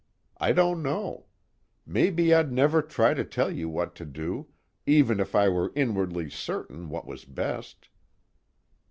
I don't know. Maybe I'd never try to tell you what to do, even if I were inwardly certain what was best.